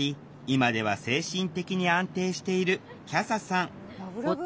今では精神的に安定しているきゃささんラブラブ。